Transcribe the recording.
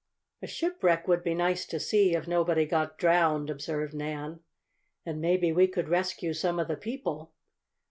"A shipwreck would be nice to see if nobody got drowned," observed Nan. "And maybe we could rescue some of the people!"